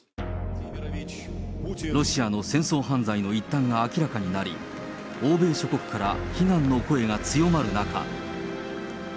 ロシアの戦争犯罪の一端が明らかになり、欧米諸国から非難の声が強まる中。